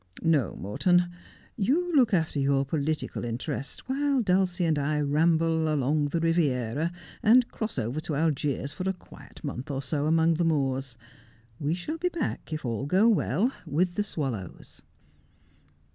No, Morton, you look after your political interests while Dulcie and I ramble along the Riviera and cross over to Algiers for a quiet month or so among the Moors. We shall be back, if all go well, with the swallows.'